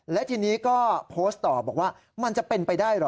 และทีนี้ก็โพสต์ต่อบอกว่ามันจะเป็นไปได้เหรอ